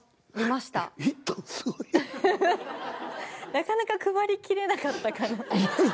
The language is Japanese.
なかなか配りきれなかったかな。